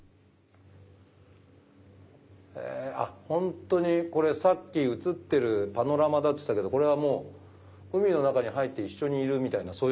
本当にさっき写ってるパノラマだっつったけどこれは海の中に入って一緒にいるみたいな。